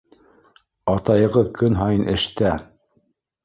Атайығыҙ көн һайын эштә.